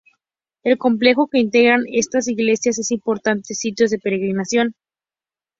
El complejo que integran estas iglesias es un importante sitio de peregrinación.